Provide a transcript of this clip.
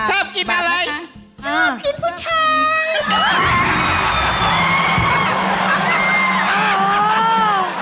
ชอบกินอะไรชอบกินผู้ชาย